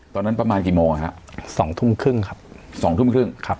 ประมาณกี่โมงฮะสองทุ่มครึ่งครับสองทุ่มครึ่งครับ